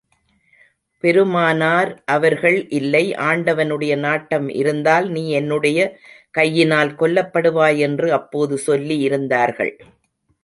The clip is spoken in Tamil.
பெருமானார் அவர்கள் இல்லை, ஆண்டவனுடைய நாட்டம் இருந்தால், நீ என்னுடைய கையினால் கொல்லப்படுவாய் என்று அப்போது சொல்லி இருந்தார்கள்.